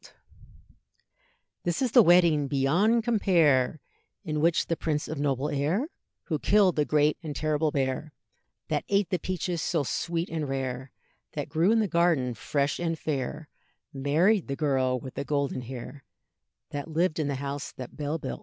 This is the wedding beyond compare, In which the prince of noble air, Who killed the great and terrible bear, That ate the peaches so sweet and rare, That grew in the garden fresh and fair, Married the girl with the golden hair, That lived in the house that Bell built.